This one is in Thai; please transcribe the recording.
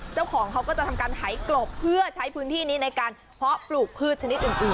เจ้าของเขาก็จะทำการถ่ายกรบเพื่อใช้พื้นที่นี้ในการเพาะปลูกพืชชนิดอื่นต่อไป